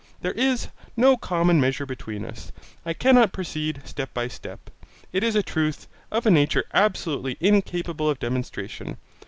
There is no common measure between us. I cannot proceed step by step.. It is a truth of a nature absolutely incapable of demonstration.